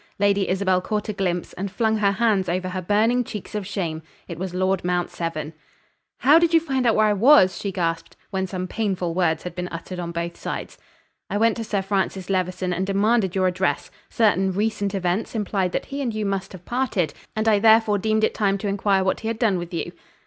Lady Isabel caught a glimpse, and flung her hands over her burning cheeks of shame. It was Lord Mount Severn. "How did you find out where I was?" she gasped, when some painful words had been uttered on both sides. "I went to Sir Francis Levison and demanded your address. Certain recent events implied that he and you must have parted, and I therefore deemed it time to inquire what he had done with you."